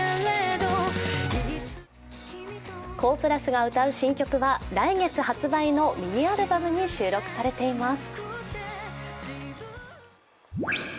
ＫＯＨ＋が歌う新曲は来月発売のミニアルバムに収録されています。